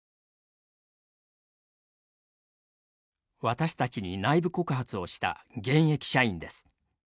私たちに内部告発をした現役社員です。